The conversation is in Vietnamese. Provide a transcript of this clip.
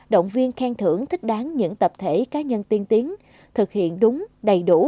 động viên khen thưởng thích đáng những tập thể cá nhân tiên tiến thực hiện đúng đầy đủ